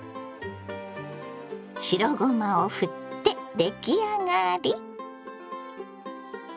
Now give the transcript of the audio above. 白ごまをふって出来上がり。